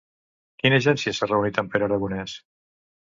Quina agència s'ha reunit amb Pere Aragonès?